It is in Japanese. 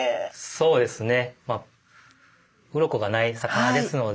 そうですね。